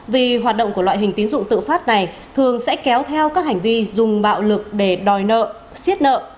vì hoạt động của loại hình tín dụng tự phát này thường sẽ kéo theo các hành vi dùng bạo lực để đòi nợ xiết nợ